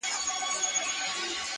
د ژوند په دغه مشالونو کي به ځان ووينم~